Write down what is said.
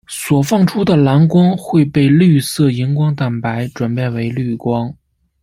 所放出的蓝光会被绿色荧光蛋白转变为绿光。